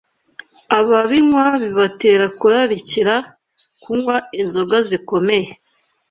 Ababinywa bibatera kurarikira kunywa inzoga zikomeye